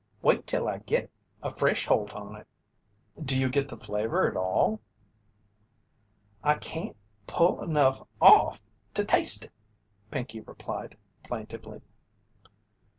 Wait till I git a fresh holt on it." "Do you get the flavour at all?" "I can't pull enough off to taste it," Pinkey replied, plaintively.